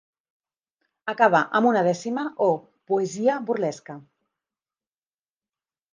Acaba amb una dècima o poesia burlesca.